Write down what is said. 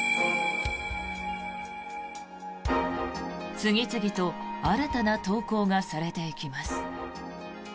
次々と新たな投稿がされていきます。